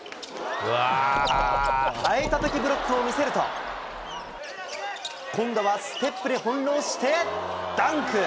ハエたたきブロックを見せると、今度はステップで翻弄してダンク。